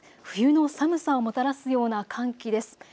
冬の寒さをもたらすような寒気です。